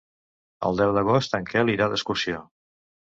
El deu d'agost en Quel irà d'excursió.